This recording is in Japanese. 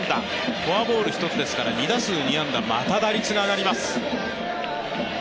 フォアボール１つですから２打数２安打また打率が上がります。